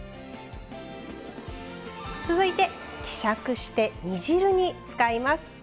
続いて希釈して煮汁に使います。